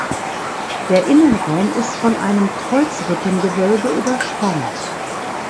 Der Innenraum ist von einem Kreuzrippengewölbe überspannt.